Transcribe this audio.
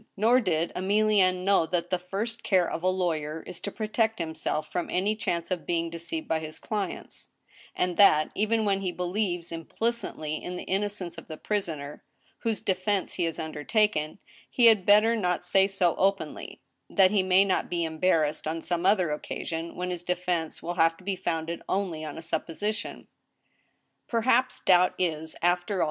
Nor did Emilienne know that the first care of a lawyer is to protect himself from any chance of being deceived by his clients ; and that, even when he believes implicitly in the innocence of the prisoner whose defense he has undertaken, he had better not say so openl/, that he may not be embarrassed on some other occasion, when his defense will have to be founded only on a supposition. Perhaps doubt is, after all.